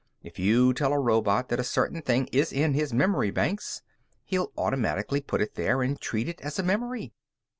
If you tell a robot that a certain thing is in his memory banks, he'll automatically put it there and treat it as a memory.